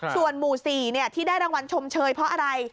ส่วนหมู่๔ที่ได้รางวัลชมเชยเพราะอะไร